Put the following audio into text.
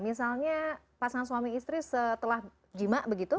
misalnya pasangan suami istri setelah jima begitu